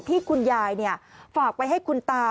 ที่คุณยายฝากไว้ให้คุณตา